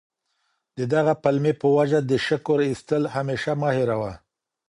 د دغي پلمې په وجه د شکر ایسهمېشه مه هېروه.